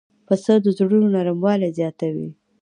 پسه د زړونو نرموالی زیاتوي.